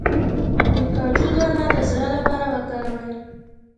د کاجو دانه د زړه لپاره وکاروئ